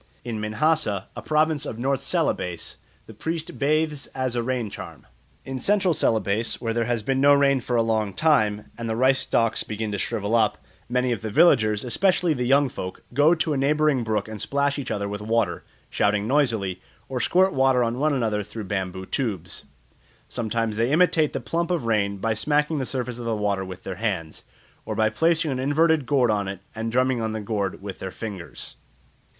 In Minahassa, a province of North Celebes, the priest bathes as a rain charm. In Central Celebes when there has been no rain for a long time and the rice stalks begin to shrivel up, many of the villagers, especially the young folk, go to a neighbouring brook and splash each other with water, shouting noisily, or squirt water on one another through bamboo tubes. Sometimes they imitate the plump of rain by smacking the surface of the water with their hands, or by placing an inverted gourd on it and drumming on the gourd with their fingers.